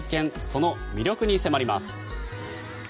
その魅力に迫ります。